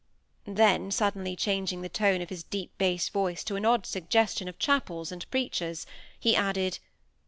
Then, suddenly changing the tone of his deep bass voice to an odd suggestion of chapels and preachers, he added.